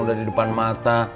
udah di depan mata